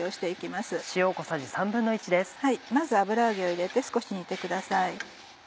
まず油揚げを入れて少し煮てください。